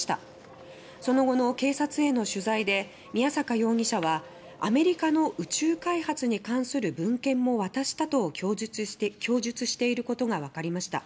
その後の警察への取材で宮坂容疑者は「アメリカの宇宙開発に関する文献も渡した」と供述していることが分かりました。